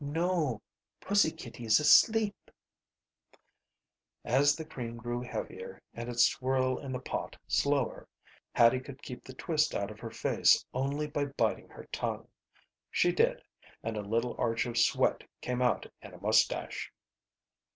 "Sh h h! No. Pussy kitty's asleep." As the cream grew heavier and its swirl in the pot slower, Hattie could keep the twist out of her face only by biting her tongue. She did, and a little arch of sweat came out in a mustache.